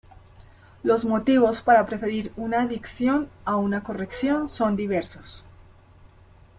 Los motivos para preferir una adición a una corrección son diversos.